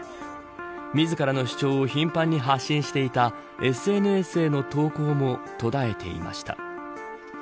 自らの主張を頻繁に発信していたＳＮＳへの投稿も途絶えていました。